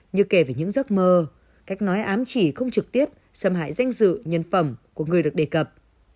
như kể về những giấc mơ cách nói ám chỉ không trực tiếp xâm hại danh dự nhân phẩm của người được đề cập